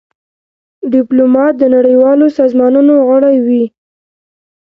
ډيپلومات د نړېوالو سازمانونو غړی وي.